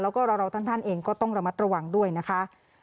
แล้วก็เราท่านเองก็ต้องระมัดระวังด้วยนะคะ